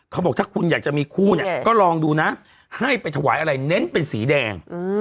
เขาบอกถ้าคุณอยากจะมีคู่เนี่ยก็ลองดูนะให้ไปถวายอะไรเน้นเป็นสีแดง